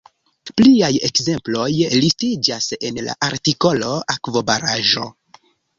Pliaj ekzemploj listiĝas en la artikolo akvobaraĵo.